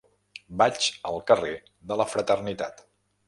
Vaig al carrer de la Fraternitat.